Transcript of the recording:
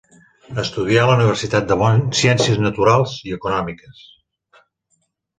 Estudià a la Universitat de Bonn ciències naturals i econòmiques.